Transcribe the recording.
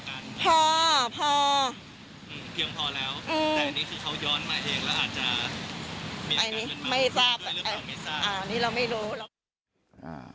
เพียงพอแล้วแต่อันนี้คือเขาย้อนมาเองแล้วอาจจะมีอาการอาจจะด้วยด้วยหรือเปล่า